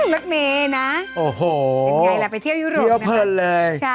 รักเมนะเป็นอย่างไรล่ะไปเที่ยวยุโรปนะครับที่เที่ยวเพลินเลย